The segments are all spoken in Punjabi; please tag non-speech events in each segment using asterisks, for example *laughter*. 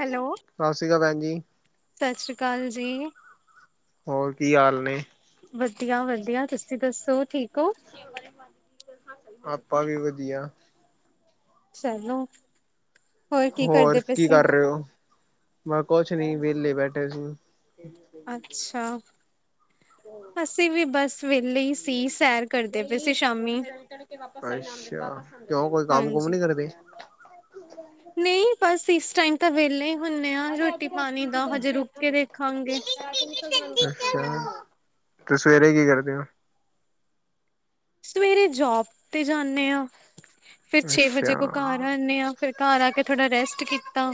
ਹੈਲੋ, ਸ੍ਰੀ ਅਕਾਲ ਭੈਣ ਜੀ, ਸਤਿ ਸ੍ਰੀ ਅਕਾਲ ਜੀ। ਹੋਰ ਕੀ ਹਾਲ ਨਹੀਂ ਵਧੀਆ, ਵਧੀਆ ਤੁਸੀਂ ਦੱਸੋ ਠੀਕ ਹੋ? ਸ਼ਿਵਲ *unintelligible* ਆਪਾ ਵੀ ਵਧੀਆ ਚਲੋ ਕੀ ਹੋਰ ਕਰਦੇ ਪਏ ਕੀ ਸੀ? ਕਰ ਰਹੇ ਹੋ ਮੈਂ ਕੁਛ ਨਹੀਂ ਵਿਹਲੇ ਬੈਠੇ ਸੀ। ਅੱਛਾ। ਅਸੀਂ ਵੀ ਬਸ ਵਿਹਲੇ ਹੀ ਸੀ, ਸੈਰ ਕਰਦੇ ਪਏ ਸੀ ਸ਼ਾਮੀ। ਅੱਛਾ ਕਿਉਂ ਕੋਈ ਕੰਮ ਕੁਮ ਹਾਂਜੀ। ਨੀ ਕਰਦੇ। ਟਾਈ ਤਾਂ ਵਹਲੇ ਹੁੰਨੇ ਆ ਰੋਟੀ ਪਾਣੀ ਦਾ ਹਜੇ ਰੁਕ ਕੇ ਵੇਖਾਂਗੇ। ਅੱਛਾ ਤੇ ਸਵੇਰੇ ਕੀ ਕਰਦੇ ਹੋ ਸਵੇਰੇ ਜੋਬ ਤੇ ਜਾਣੇ ਆ। ਫਰ ਛੇ ਵਜੇ ਅੱਛਾ ਕੋਲ ਘਰ ਆੇ ਇਹਨਾਂ ਨੂੰ ਫਿਰ ਘਰ ਆ ਕੇ ਥੋੜਾ ਰੈਸਟ ਕੀਤਾ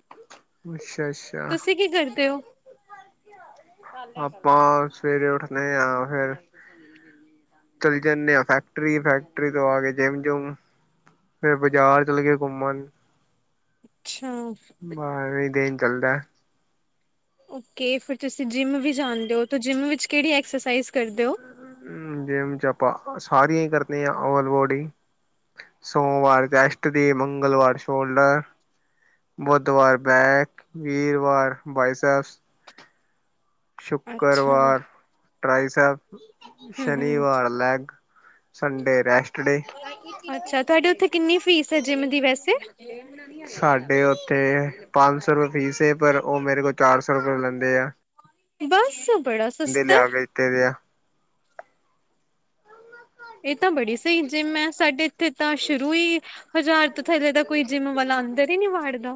*unintelligible* ਤੁਸੀਂ ਕੀ ਕਰਦੇ ਹੋ ਆਪਾਂ ਸਵੇਰੇ ਉੱਠਦੇ ਹਾਂ ਫਿਰ ਚਲੇ ਜਾਂਦੇ ਹਾਂ ਫੈਕਟਰੀ ਫੈਕਟਰੀ ਤੋਂ ਆ ਕੇ ਜਿੰਮ ਜੁਮ ਫੇਰ ਬਾਜ਼ਾਰ ਚਲੇ ਗਏ। ਘੁੰਮਣ ਅੱਛਾ। ਬਸ ਇਹ, ਚੱਲਦਾ, ਓਕੇ ਫਿਰ ਤੁਸੀ ਜਿੰਮ ਵੀ ਜਾਂਦੇ ਹੋ ਜਿੰਮ ਵਿਚ ਕਿਹੜੀ ਐਕਸਰਸਾਈਜ਼ ਕਰਦੇ ਹੋ? ਹੂੰ ਜਿੰਮ ਚ ਆਪਾਂ ਸਾਰੀਆਂ ਹੀ ਕਰਦੇ ਹਾਂ ਓਵਲ ਬੋਡੀ ਸੋਮਵਾਰ ਚੈਸਟ ਦੀ ਮੰਗਲਵਾਰ ਸ਼ੋਲਡਰ ਬੁੱਧਵਾਰ ਬੈਕ ਵੀਰਵਾਰ ਬਾਈਸਪ ਅੱਛਾ ਸ਼ੁੱਕਰਵਾਰ ਹੂੰ ਟਰਾਈ ਸਾਹਿਬ, ਹੂੰ ਸ਼ਨੀਵਾਰ ਲੈਗ, ਸੰਡੇ ਰੈਸ਼ਟ। ਅੱਛਾ ਤੁਹਾਡੇ ਉੱਥੇ ਕਿੰਨੀ ਫੀਸ ਹੈ ਜਿੰਮ ਦੀ ਵੈਸੇ? *unintelligible* ਸਾਡੇ ਉ ਤੇ ਪੰਜ ਸੋ ਰੁਪਏ ਫੀਸ ਹੈ ਪਰ ਉਹ ਮੇਰੇ ਕੋਲ ਚਾਰ ਸੋ ਰੁਪਏ ਲੈਂਦੇ ਆ। ਬੱਸ, *unintelligible* ਬੰਦੇ ਲਿਆ ਕੇ ਦਿੱਤੇ ਵੇ ਐ। ਇਹ ਤਾਂ ਬੜੀ ਸਹੀ ਜਿੰਮ ਐ, ਸਾਡੇ ਤੇ ਤਾਂ ਸ਼ੁਰੂ ਹੀ, ਹਜ਼ਾਰ, ਥੱਲੇ ਤਾਂ ਕੋਈ ਜਿੰਮ ਵਾਲਾ ਅੰਦਰ ਹੀ ਨਹੀ ਵਾੜਦਾ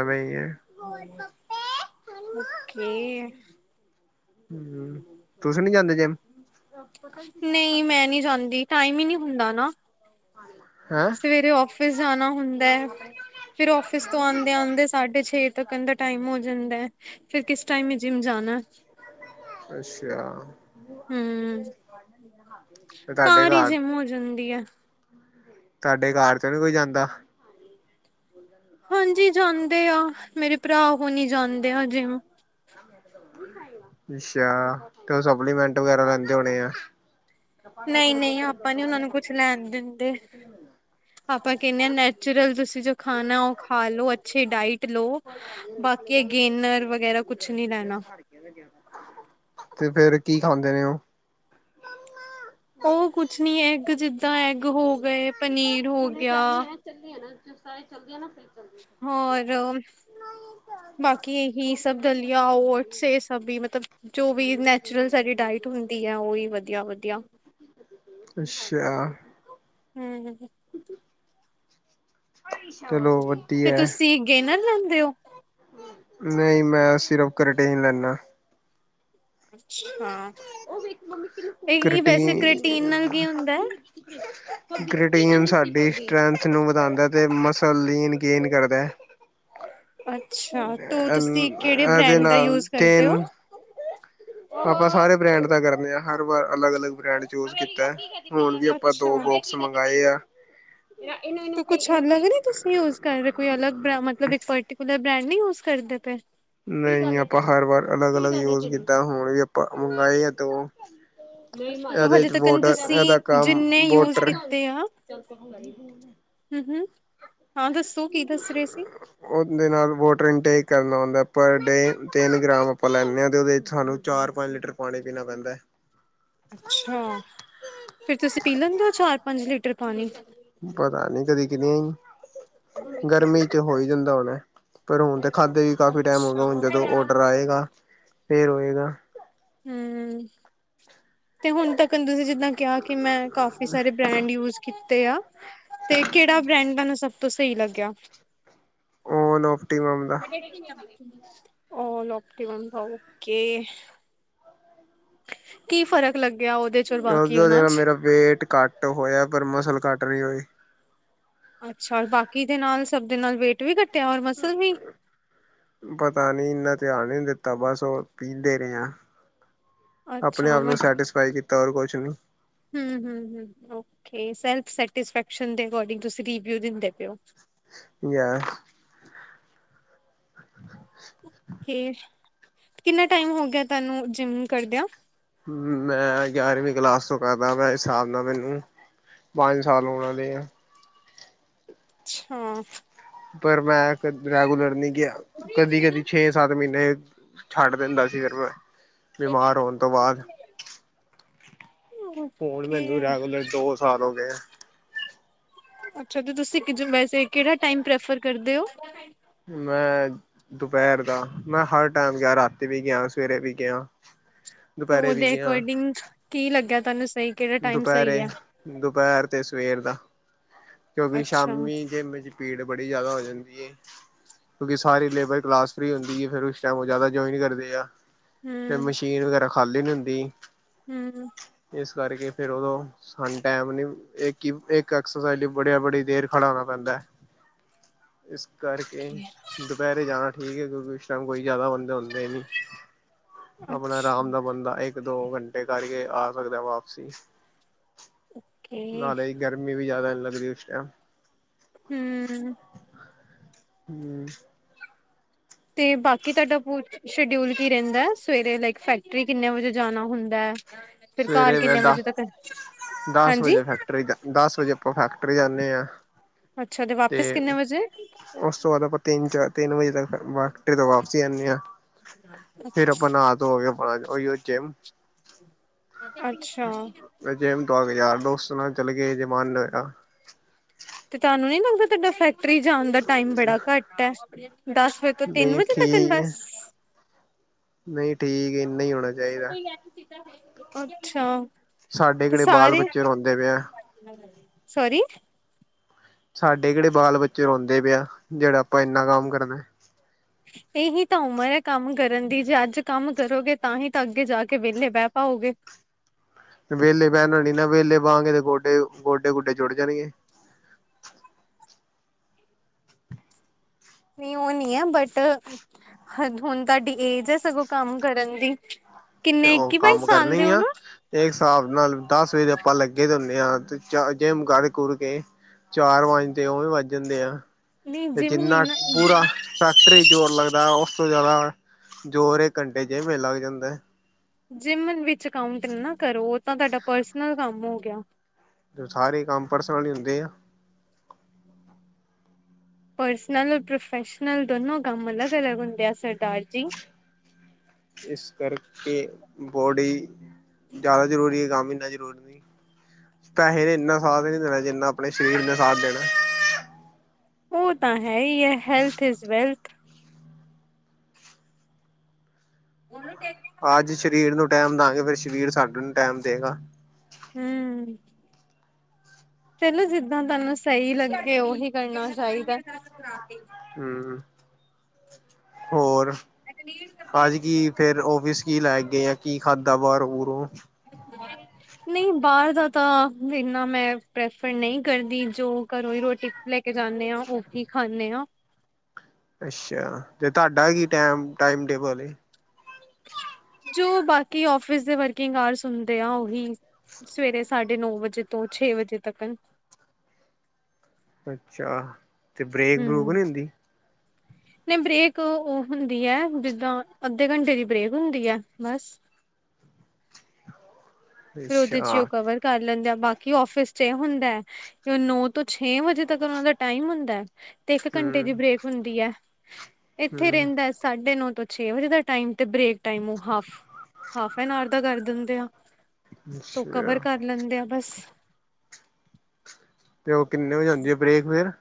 ਐਵੇਂ *unintelligible* ਓਕੇ, ਤੁਸੀ ਨੀ ਜਾਂਦੇ ਜਿਮ? ਨਹੀ ਮੈਂ ਨੀ ਜਾਂਦੀ। ਟਾਈਮ ਹੀ ਨੀ ਹੁੰਦਾ ਨਾ ਹੈਂ ਸਵੇਰੇ ਆਫਿਸ ਆਫਿਸ ਜਾਣਾ ਹੁੰਦਾ ਫਿਰ ਆਫਿਸ ਤੋਂ ਆਦੇ-ਆਦੇ ਸਾਡੇ ਛੇ ਤਕ ਦਾ ਟਾਈਮ ਹੋ ਜਾਂਦਾ ਫਿਰ ਕਿਸ ਟਾਈਮ ਜਿਮ ਜਾਣਾ ਅੱਛਾ, ਹੂੰ, ਤੇ ਤੁਹਾਡੇ ਘਰ ਹੀ ਜਿਮ ਹੋ ਜਾਂਦੀ ਆ। ਤੁਹਾਡੇ ਘਰ ਵਿਚੋਂ ਨੀ ਕੋਈ ਜਾਂਦਾ। ਹਾਂਜੀ ਜਾਦੇ ਆ ਮੇਰੇ ਭਰਾ ਹੋਣੀ ਜਾਦੇ ਆ ਜਿਮ ਅੱਛਾ ਤੇ ਉਹ ਸਪਲੀਮੈਂਟ ਵਗੈਰਾ ਲੈਂਦੇ ਹੋਣੇ ਆ। ਨਹੀਂ-ਨਹੀਂ ਆਪਾਂ ਨੀ ਉਹਨਾਂ ਨੂੰ ਕੁਛ ਲੈਣ ਦਿੰਦੇ। ਆਪਾਂ ਕਹਿੰਦੇ ਹਾਂ ਨੈਚੁਰਲ ਤੁਸੀਂ ਜੋ ਖਾਣਾ ਉਹ ਖਾ ਲੋ ਅੱਛੀ ਡਾਇਟ ਲੋ। ਬਾਕੀ ਗੇਨਰ ਵਗੈਰਾ ਕੁਛ ਨੀ ਲੈਣਾ। ਤੇ ਫਿਰ ਕੀ, ਆਦੇ ਨੇ ਉਹ ਉਹ ਕੁਛ ਨੀ ਏ ਇੱਕ ਜਿੱਦ ਤਾਂ ਐਗ ਹੋ ਗਏ, ਪਨੀਰ ਹੋ ਗਿਆ। ਸਾਰੇ ਚੱਲਦੇ ਆ ਨਾ ਹੋਰ ਬਾਕੀ ਇਹੀ ਸਭ ਦਲੀਆਂ, ਔਟਸ ਇਹ ਸਭ ਵੀ ਮਤਲਬ ਜੋ ਵੀ ਨੈਚੁਰਲ ਸਾਡੀ ਡਾਇਟ ਹੁੰਦੀ ਹੈ, ਉਹ ਹੀ ਵਧੀਆ ਵਧੀਆ ਅੱਛਾ ਹੂੰ ਹੂੰ। *unintelligible* ਤੇ ਵਧੀਆ। ਤੁਸੀਂ ਗੇਨਰ ਲੈਂਦੇ ਔ। ਨਹੀਂ ਮੈਂ ਸਿਰਫ ਕਰੀਟੀਨ ਲੈਂਦਾ। ਅੱਛਾ ਇਹ ਵੈਸੇ ਕਰਿਟੀਨ ਕ੍ਰਟੀਨ ਨਾਲ ਕੀ ਹੁੰਦਾ ਹੈ? ਕਰਿਟੀਨ ਸਾਡੀ ਸਟਰੈਂਥ ਨੂੰ ਵਧਾਂਦਾ ਤੇ ਮਸਾ ਲੀਨ ਗੇਨ ਕਰਦਾ ਏ। ਅੱਛਾ, ਤੋ ਤੁਸੀਂ ਕਿਹੜੇ ਇਹਦੇ ਬ੍ਰੈਂਡ ਦਾ ਨਾਲ ਯੂਜ ਕਰਦੇ ਹੋ? ਤਿੰਨ ਆਪਾਂ ਸਾਰੇ ਬ੍ਰੈਂਡ ਦਾ ਕਰਦੇ ਹਰ ਵਾਰ ਅਲੱਗ ਅਲੱਗ ਬ੍ਰੈਂਡ ਯੂਜ ਕੀਤਾ। ਹੁਣ ਵੀ ਆਪਾਂ ਅੱਛਾ। ਦੋ ਬੋਕੱਸ ਮੰਗਾਏ ਆ। ਕੁਛ ਅਲੱਗ ਨੀ ਤੁਸੀਂ ਯੂਜ ਕਰ ਰੇ, ਕੋਈ ਅਲਗ ਬ ਮਤਲਬ ਇਕ ਪਰਟੀਕੁਲਰ ਬ੍ਰਾਂਡ ਨੀ ਯੂਜ ਕਰਦੇ ਪਏ। ਨਹੀਂ ਆਪਾਂ ਹਰ ਵਾਰ ਅਲੱਗ ਅਲੱਗ ਯੂਜ ਕੀਤਾ ਹੁਣ ਵੀ ਆਪਾਂ ਮੰਗਾਏ ਆ ਦੋ ਤੋ ਇਹਦੇ ਹਜੇ ਚ ਤੱਕ ਬੋਟਰ ਇਹਦਾ ਤੁਸੀਂ ਕਮ ਜਿੰਨੇ ਯੂਜ ਬੋਟਰ ਕੀਤੇ ਆ ਹੂੰ ਹੂੰ ਹਾਂ ਦੱਸੋ, ਕੀ ਦੱਸ ਰਹੇ ਸੀ? ਏਹੀ ਕਰਨਾ ਹਹੁੰਦਾ ਪਰ ਡੇ ਤਿੰਨ ਗ੍ਰਾਮ ਆਪਾਂ ਲੈਨੇ ਹਾਂ ਤੇ ਉਹਦੇ ਚ ਸਾਨੂੰ ਚਾਰ ਪੰਜ ਲੀਟਰ ਪਾਣੀ ਪੀਣਾ ਪੈਂਦਾ ਹੈ। ਅੱਛਾ ਫੇਰ ਤੁਸੀਂ ਪੀ ਲੈਂਦੇ ਹੋ ਚਾਰ ਪੰਜ ਲੀਟਰ ਪਾਣੀ? ਪਤਾ ਨੀ ਕਦੀ ਕਿਨਾਂ *unintelligible* ਗਰਮੀ ਚ ਹੋਈ ਜਿੰਦਾ ਹੋਣਾ ਪਰ ਹੁਣ ਤੇ ਖਾਧੇ ਵੀ ਕਾਫ਼ੀ ਟਾਈਮ ਹੋ ਗਿਆ, ਅੱਛਾ। ਹੁਣ ਜਦੋਂ ਔਡਰ ਆਏਗਾ ਫੇਰ ਹੋਏਗਾ। ਹੂੰ ਤੇ ਹੁਣ ਤੱਕ ਤੁਸੀਂ ਜਿੱਦਾਂ ਕਿਹਾ ਕਿ ਮੈਂ ਕਾਫੀ ਸਾਰੇ ਬ੍ਰੈਂਡ ਯੂਜ ਕੀਤੇ ਤੇ ਆ ਤੇ ਕਿਹੜਾ ਬ੍ਰੈਂਡ ਨੂੰ ਸਭ ਤੋ ਸਹੀ ਲੱਗਿਆ। ਓ ਨੋਪਟੀ ਮਮ ਦਾ *unintelligible* *unintelligible* ਓਕੇ ਕੀ ਫ਼ਰਕ ਲੱਗਿਆ ਉਹਦੇ ਚ ਔਰ ਬਾਕੀ ਉਦੇ ਉਹਨਾਂ ਨਾਲ ਚ ਮੇਰਾ ਵੇਟ ਕੱਟ ਹੋਯਾ, ਪਰ ਮਸਲ ਕੱਟ ਨੀ ਹੋਈ। ਅੱਛਾ, ਔਰ ਬਾਕੀ ਦੇ ਨਾਲ, ਸਭ ਦੇ ਨਾਲ ਵੇਟ ਵੀ ਘੱਟ ਪਤਾ ਨੀ ਇੰਨਾ ਧਿਆਨ ਈ ਨੀ ਦਿ ਤੇ ਬਸ ਓ ਪੀਂਦੇ ਰਏ ਆ। ਅੱਛਾ, ਆਪਣੇ ਆਪ ਹੂੰ, ਨੂੰ ਸੈਟਿਸਫਾਈ ਕੀਤਾ ਹੋਰ ਕੁਛ ਨੀ ਹੂੰ, ਹੂੰ ਓਕੇ ਸੈਲਫ ਸੈਟਿਸਫੈਕਸ਼ਨ ਦੇ ਅਕੋਰਡਿੰਗ ਤੁਸੀਂ ਰਿਵਿਊ ਦਿੰਦੇ ਪਏ ਓ। ਯਾ *inaudible* ਕੇ ਕਿੰਨਾ ਟਾਈਮ ਹੋ ਗਯਾ ਤਾਨੂੰ ਜਿਮ ਕਰਦਿਆਂ? ਮੈਂ ਗਿਆਰਵੀਂ ਕਲਾਸ ਤੋਂ ਕਰਦਾ ਪਯਾਂ। ਇਸ ਹਿਸਾਬ ਨਾਲ ਮੈਨੂੰ ਪੰਜ ਸਾਲ ਹੋਣ ਆਲੇ ਐ। ਅੱਛਾ। ਪਰ ਮੈਂ ਕਦੀ ਰੈਗੂਲਰ ਨੀ ਗਯਾ, ਕਦੀ-ਕਦੀ ਛੇ-ਸੱਤ ਮੀਨੇ ਛੱਡ ਦਿੰਦਾ ਸੀ ਫੇਰ, ਮੈਂ ਬਿਮਾਰ ਹੋਨ ਤੋ ਬਾਦ ਹੋਣ ਓਕੇ ਮੈਨੂੰ ਰੈਗੂਲਰ ਦੋ ਸਾਲ ਹੋ ਗਏ ਐ। ਅੱਛਾ, ਤੇ ਤੁਸੀ *unintelligible* ਵੈਸੇ ਕੇੜਾ ਟੈਮ ਪ੍ਰੈਫਰ ਕਰਦੇ ਹੋ? ਮੈਂ ਦੁਪਹਿਰ ਦਾ, ਮੈਂ ਹਰ ਟੈਮ ਗਿਆ, ਰਾਤੀ ਵੀ ਗਿਆਂ, ਸਵੇਰੇ ਵੀ ਗਿਆਂ। ਤੋ ਓਦੇ ਅਕੋਰਡਿੰਗ ਕੀ ਲੱਗਿਆ? *inaudible* ਟਾਈਮ ਦੁਪਹਿਰ ਸਹੀ ਹੈ ਦਾ ਤੇ ਸਵੇਰ ਦਾ। ਕਿਉਕਿ ਅੱਛਾ ਹੂੰ ਸ਼ਾਮੀ ਜਿੰਮ ਚ ਪੀੜ ਬੜੀ ਜਾਦਾ ਹੋ ਜਾਂਦੀ ਏ। ਕਿਉਂਕਿ ਸਾਰੀ ਲੇਬਰ ਕਲਾਸ ਫਰੀ ਹੁੰਦੀ ਏ, ਫੇਰ ਉਸ ਟਾਈਮ ਓ ਜਾਦਾ ਜੋਇਨ ਕਰਦੀ ਆ। ਫੇਰ ਮਸ਼ੀਨ ਵਗੈਰਾ ਖਾਲੀ ਨੀ ਹੁੰਦੀ। ਹੂੰ। ਉਸ ਕਰਕੇ ਫੇਰ ਉਦੋਂ ਸਾਨੂੰ ਟੈਮ ਨੀ, ਏਕ ਈ, ਏਕ ਐਕਸਰਸਾਈਜ ਲਈ ਬੜਿਆ ਬੜੀ ਦੇਰ ਖੜਾ ਹੋਣਾ ਪੈਂਦੈ। ਇਸ *unintelligible* ਕਰਕੇ ਦੁਪਹਿਰ ਜਾਨਾ ਠੀਕ ਏ ਕੋਈ *unintelligible* ਉਸ ਟਾਈਮ ਕੋਈ ਜਾਦਾ ਬੰਦੇ ਹੁੰਦੇ ਨੀ। ਆਪਨਾ ਆਰਾਮ ਅੱਛਾ ਨਾਲ ਬੰਦਾ ਏਕ ਤੇ ਦੋ ਘੰਟੇ ਕਰਕੇ ਆ ਸਕਦੈ ਵਾਪਸ ਸੀ ਓਕੇ ਨਾਲੇ ਗਰਮੀ ਵੀ ਜ਼ਿਆਦਾ ਲੱ ਦਿੱਲੀ ਸ਼ਹਿਰ? ਹੁ ਹੁ ਤੇ ਬਾਕੀ ਤੁਹਾਡਾ, ਪੂਰੇ ਦਿਨ ਦਾ ਸ਼ਡਿਊਲ ਕੀ? ਰਹਿੰਦਾ ਸਵੇਰੇ ਲਾਇਕ ਫੈਕਟਰੀ ਕਿੰਨੇ ਵਜੇ, ਜਾਣਾ ਹੁੰਦਾ ਹੈ। ਫਿਰ ਘਰ ਸਵੇਰੇ ਮੈਂ ਕਿੰਨੇ ਦਸ ਵਜੇ ਤੱਕ ਦਸ ਹਾਂਜੀ ਵਜੇ ਫੈਕਟਰੀ, ਦਸ ਵਜੇ ਆਇਆ। ਫਿਰ ਜਾਨੇ ਆ? ਅੱਛਾ ਤੇ ਵਾਪਿਸ ਕਿੰਨੇ ਵਜੇ ਉਸ ਤੋਂ ਬਾਅਦ ਆਪਾਂ ਤਿੰਨ ਚਾਰ ਤਿੰਨ ਵਜੇ ਤਕ ਫੈਕਟਰੀ ਤੋਂ ਵਾਪਸੀ ਆਣੇ ਆ ਫੇਿਰ ਆਪਾਂ ਨਾਂ ਧੋ ਕੇ ਆਪਣਾ ਉਹੀਓ ਜਿਮ ਅੱਛਾ ਜਿਮ ਤੋ ਆਕੇ, ਯਾਰ ਦੋਸਤ ਨਾਲ ਚਲੇ ਗਏ ਜੇ ਮੰਨ ਲਿਆ? ਤੇ, ਤੁਹਾਨੂੰ ਨੀ ਲੱਗਦਾ, ਤੁਹਾਡਾ ਫੈਕਟਰੀ ਜਾਣ ਦਾ ਟਾਈਮ ਬੜਾ ਘੱਟ ਹੈ ਦਸ, ਵਜੇ ਤੋਂ ਤਿੰਨ ਨਹੀਂ ਵਜੇ, ਤਕਣ ਠੀਕ ਹੈ, ਬਸ। ਨਹੀਂ ਠੀਕ ਇੰਨਾ ਹੀ ਹੋਣਾ ਚਾਹੀਦਾ। ਅੱਛਾ। ਸਾਡੇ ਤੇ ਕਿਹੜੇ ਸਾਰੇ ਬਾਲ-ਬੱਚੇ ਰੋਂਦੇ ਪਏ ਹੈ। ਸੋਰੀ। ਸਾਡੇ ਕਿਹੜੇ ਬਾਲ ਬੱਚੇ ਰੋਂਦੇ ਪਏ ਆ ਜਿਹੜਾ ਆਪਾਂ ਇੰਨਾ ਕੰਮ ਕਰਨਾ। ਇਹੀ ਤਾਂ ਉਮਰ ਹੈ ਕੰਮ ਕਰਨ ਦੀ ਜੇ ਅੱਜ ਕੰਮ ਕਰੋਗੇ ਤਾਂ ਹੀ ਤਾਂ ਅੱਗੇ ਜਾ ਕੇ ਵਿਹਲੇ ਬਹਿ ਪਾਓਗੇ। ਵੇਲੇ ਪਹਿਣ ਨ ਨਾ ਵੇਲੇ ਪਾਂਗੇ ਤੇ ਗੋਡੇ ਗੋਡੇ ਗੋਡੇ ਜੁੜ ਜਾਣਗੇ। ਨਹੀਂ ਉਹ ਨੀ ਹੈ ਬਟ ਹੁਣ ਤੁਹਾਡੀ ਏਜ ਹੈ ਸਗੋਂ ਕੰਮ ਕਰਨ ਦੀ ਤੇ ਕਿੰਨੇ ਉਹ ਇੱਕੀ ਬਾਈ ਕੰਮ ਸਾਲ ਦੇ ਹੋ ਕਰਨਿਆਂ ਨਾ ਇੱਕ ਹਿਸਾਬ ਨਾਲ ਦੱਸ ਵਜੇ ਦੇ ਆਪਾਂ ਲੱਗੇ ਦ ਹੁੰਦੇ ਹਾਂ ਤੇ ਚ ਜਿਮ ਕਰੜ ਕੁੜ ਕੇ ਚਾਰ ਵਾਂਜਦੇ ਉਵੇਂ ਵੱਜ ਜਾਂਦੇ ਆ। ਨਹੀਂ ਤੇ ਜਿੰਮ ਨਹੀਂ ਜਿੰਨਾ ਨਾ ਪੂਰਾ ਫੈਕਟਰੀ ਜ਼ੋਰ ਲੱਗਦਾ। ਉਸ ਤੋਂ ਜ਼ਿਆਦਾ ਜੋੋਰ ਕੰਡੇ ਜਿਵੇੇ ਲੱਗ ਜਾਂਦਾ। ਜਿਮ ਵਿੱਚ ਕਾਉਂਟ ਨਾ ਕਰੋ ਤਾਂ ਤੁਹਾਡਾ ਪਰਸਨਲ ਕੰਮ ਹੋ ਗਿਆ। ਸਾਰੇ ਕੰਮ ਪਰਸਨਲ ਹੀ ਹੁੰਦੇ ਆ। ਪਰਸਨਲ ਔਰ ਪ੍ਰੋਫੈਸ਼ਨਲ ਦੋਨੋ ਕੰਮ ਅਲੱਗ-ਅਲੱਗ ਹੁੰਦੇ ਆ ਸਰਦਾਰ ਜੀ। ਇਸ ਕਰਕੇ ਬੋਡੀ ਜ਼ਿਆਦਾ ਜ਼ਰੂਰੀ ਹੈ। ਕੰਮ ਇੰਨਾ ਜ਼ਰੂਰੀ ਨਹੀਂ ਪੈਸੇ ਨੇ ਇੰਨਾ ਸਾਥ ਨਹੀਂ ਦੇਣਾ ਜਿੰਨਾ ਆਪਣੇ ਸਰੀਰ ਨੇ ਸਾਥ ਦੇਣਾ। ਉਹ ਤਾਂ ਹੈ ਹੀ ਹੈ ਹੈਲਥ ਇਜ਼ ਵੈਲਥ। ਉਹਨੂੰ ਤੇ ਅੱਜ ਸ਼ਰੀਰ ਨੂੰ ਟੈਮ ਦਾਂਗੇ ਫੇਰ ਸਰੀਰ ਸਾਡੇ ਨੂੰ ਟੈਮ ਦੇਗਾ। ਹਮ। ਚਲੋ ਜਿੱਦਾਂ ਤੁਹਾਨੂੰ ਸਹੀ ਲੱਗੇ ਉਹੀ ਕਰਨਾ ਚਾਹੀਦਾ। ਹਮ ਹੋਰ? ਅੱਜ ਕੀ ਫੇਰ ਫਿਸ ਕੀ ਲੈ ਗ? ਗ ਆ ਕੀ ਖਾਧਾ ਬਾਹਰ ਬਰੋਂ? ਨਹੀਂ, ਬਾਹਰ ਦਾ ਤਾਂ ਇਨਾ ਮੈਂ ਪ੍ਰੈਫਰ ਨਹੀਂ ਕਰਦੀ। ਜੋ ਘਰੋਂ ਹੀ ਰੋਟੀ ਲੈ ਕੇ ਜਾਂਦੇ ਹਾਂ ਉਹੀ ਖਾਂਦੇ ਹਾ। ਅੱਛਾ! ਤੇ ਤੁਹਾਡਾ ਕੀ ਟਾਈ ਟਾਈਮ ਟੇਬਲ ਜੋ ਬਾਕੀ ਆਫਿਸ ਦੇ ਵਰਕਿੰਗ ਆਰਸ ਹੁੰਦੇ ਆ। ਓਹੀ ਸਵੇਰੇ ਸਾਡੇ ਨੋ ਵਜੇ ਤੋਂ ਛੇ ਵਜੇ ਤਕ। ਅੱਛਾ! ਅਤੇ ਬਰੇਕ ਬਰੂਕ ਨਹੀਂ ਹੁੰਦੀ ਨਹੀਂ ਬਰੇੇਕ ਉਹ ਹੁੰਦੀ ਹੈ ਜਿੱਦਾਂ, ਅੱਧੇ ਘੰਟੇ ਦੀ ਬ੍ਰੇਕ ਹੁੰਦੀ ਹੈ ਬਸ। ਫਿਰ ਉਹਦੇ 'ਚ ਹੀ ਅੱਛਾ ਉਹ ਕਵਰ ਕਰ ਲੈਂਦੇ ਆ। ਬਾਕੀ ਆਫਿਸ 'ਚ ਇਹ ਹੁੰਦਾ, ਕਿ ਉਹ ਨੋ ਤੋਂ ਛੇ ਵਜੇ ਤੱਕ ਉਹਨਾਂ ਦਾ ਟਾਈਮ ਹੁੰਦਾ। ਤੇ ਇੱਕ ਘੰਟੇ ਦੀ ਹੂੰ ਬ੍ਰੇਕ ਹੁੰਦੀ ਐ। ਇੱਥੇ ਹੂੰ ਰਹਿੰਦਾ ਸਾਢੇ ਨੌ ਤੋਂ ਛੇ ਵਜੇ ਦਾ ਟਾਇਮ ਤੇ ਬ੍ਰੇਕ ਟਾਇਮ ਉਹ ਹਾਫ, ਹਾਫ ਐਨ ਆਰ ਦਾ ਕਰ ਦਿੰਦੇ ਆ। ਤੂੰ ਅੱਛਾ ਕਵਰ ਕਰ ਲੈਂਦੇ ਆ ਬਸ। ਤੇ ਉਹ ਕਿੰਨੇ ਵਜੇ ਆਉਂਦੀ ਹੈ ਬ੍ਰੇਕ ਫਿਰ?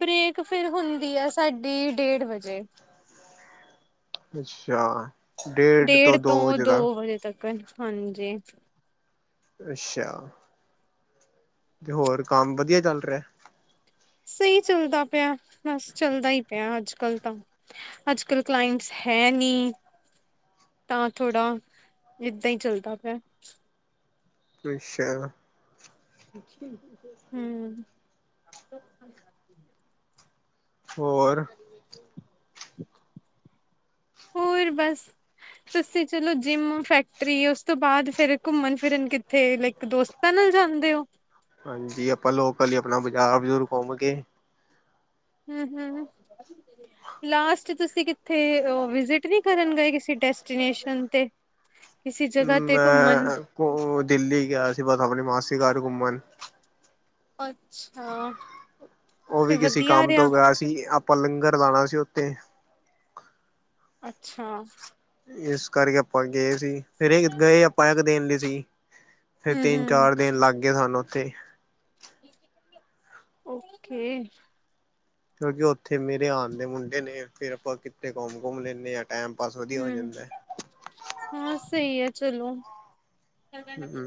ਬ੍ਰੇਕ ਫਿਰ ਹੁੰਦੀ ਆ ਸਾਡੀ ਡੇਢ ਵਜੇ। ਅੱਛਾ ਡੇਢ ਤੋਂ ਦੋ ਵਜੇ ਤੱਕ। ਹਾਂਜੀ। ਅੱਛਾ। ਤੇ ਹੋਰ ਕੰਮ ਵਧੀਆ ਚੱਲ ਰਿਹਾ? ਸਹੀ ਚੱਲਦਾ ਪਿਆ ਬਸ ਚੱਲਦਾ ਹੀ ਪਿਆ ਅੱਜਕੱਲ ਤਾਂ ਅੱਜਕਲ ਕਲਾਇੰਟਸ ਹੈ ਨਹੀਂ ਤਾਂ ਥੋੜਾ ਏਦਾਂ ਹੀ ਚੱਲਦਾ ਪਿਆ। ਅੱਛਾ ਹੂੰ *unintelligible* ਹੋਰ *inaudible* ਹੋਰ ਬਸ, ਤੁਸੀਂ ਚਲੋ ਜਿੰਮ ਫੈਕਟਰੀ ਉਸ ਤੋਂ ਬਾਅਦ ਫਿਰ ਘੁੰਮਣ ਫਿਰਨ ਕਿੱਥੇ ਲਾਇਕ ਦੋਸਤਾਂ ਨਾਲ ਜਾਂਦੇ ਹੋ? ਹਾਂਜੀ ਆਪਾਂ ਲੋਕਲ ਹੀ ਆਪਣਾ ਬਾਜ਼ਾਰ-ਬਜ਼ੂਰ ਘੁੰਮ ਕੇ ਹੂੰ-ਹੂੰ, ਲਾਸਟ ਤੁਸੀਂ ਕਿਥੇ ਵਿਜਿਟ ਨੀ ਕਰਨ ਗਏ ਕਿਸੇ ਡੈਸਟੀਨੇਸਨ ਤੇ? ਕਿਸੇ ਜਗ੍ਹਾ ਤੇ ਘੁੰਮਣ ਮੈਂ ਓ ਦਿੱਲੀ ਗਿਆ ਸੀ ਬਸ ਆਪਣੀ ਮਾਸੀ ਦੇ ਘਰ ਘੁੰਮਨ। ਅੱਛਾ ਉਹ ਵੀ ਫਿਰ ਕਿਸੇ ਵਧੀਆ ਕੰਮ ਰਿਹਾ ਤੋਂ ਗਿਆ ਸੀ ਆਪਾਂ ਲੰਗਰ ਲਾਣਾ ਸੀ ਉੱਥੇ। ਅੱਛਾ ਇਸ ਕਰਕੇ ਆਪਾਂ ਗਏ ਸੀ। ਫਿਰ ਗਏ ਆਪਾਂ ਇੱਕ ਦਿਨ ਲਈ ਸੀ। ਫੇਰ ਹਮ ਹਮ ਤਿੰਨ-ਚਾਰ ਦਿਨ ਲੱਗ ਗਏ ਸਾਨੂੰ। ਤੇ ਓਕੇ। ਕਿਉਂਕਿ ਉੱਥੇ ਮੇਰੇ ਹਾਣ ਦੇ ਮੁੰਡੇ ਨੇ ਫੇਰ ਆਪਾਂ ਕਿਤੇ ਘੁੰਮ-ਘੁੰਮ ਲੈਂਦੇ ਆ। ਹੂੰ, ਹਾਂ ਸਹੀ ਹੈ ਚਲੋ। ਹੂੰ-ਹੂੰ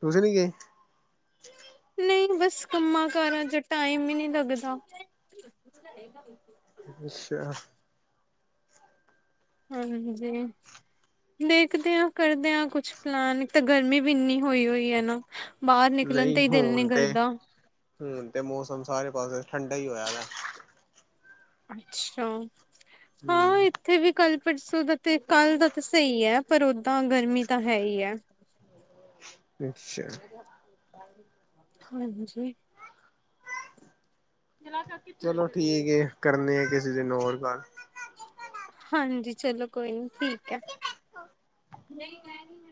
ਤੁਸੀ ਨੀ ਗਏ? ਨਹੀਂ ਬਸ ਕੰਮਾਂ ਕਾਰਾਂ 'ਚ ਟਾਈਮ ਹੀ ਨਹੀਂ ਲੱਗਦਾ। ਅੱਛਾ। ਹਾਂਜੀ ਦੇਖਦੇ ਹਾਂ ਕਰਦੇ ਹ ਕੁਛ ਪਲਾਨ ਇੱਕ ਤਾਂ ਗਰਮੀ ਵੀ ਇੰਨੀ ਹੋਈ ਹੋਈ ਹੈ ਨਾ ਬਾਹਰ ਨਿਕਲਣ ਤੇ ਨਹੀਂ ਹੀ ਦਿਲ ਨੀ ਕਰਦਾ। ਮੌ ਸਾਰੇ ਪਾਸੇ ਠੰਡਾ ਹੀ ਹੋਇਆ ਵਾ। ਅੱਛਾ। ਹਾਂ ਹਮ ਇੱਥੇ ਵੀ ਕੱਲ ਪਰਸੋਂ ਦਾ ਤੇ ਕੱਲ੍ਹ ਦਾ ਤਾਂ ਸਹੀ ਹੈ। ਪਰ ਓਦਾਂ ਗਰਮੀ ਤਾਂ ਹੈ ਹੀ ਹੈ। ਅੱਛਾ। ਹਾਂਜੀ। ਚਲੋ ਠੀਕ ਕਰਨੇ ਆ ਕਿਸੇ ਦਿਨ ਹੋਰ ਗੱਲ। ਹਾਂਜੀ। ਚਲੋ ਕੋਈ ਨੀ ਠੀਕ ਹੈ। ਨਹੀਂ ਮੈਂ ਨਹੀਂ ਮ